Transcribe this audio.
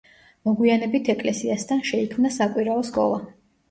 მოგვიანებით ეკლესიასთან შეიქმნა საკვირაო სკოლა.